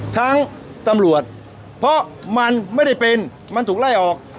ตำรวจเพราะมันไม่ได้เป็นมันถูกไล่ออก